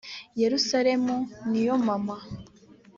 yerusalemu ni yo mama